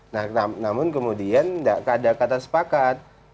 nah namun kemudian tidak ada kata sepakat